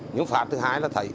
những phát thứ hai là thấy